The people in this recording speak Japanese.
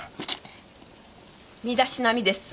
身だしなみです！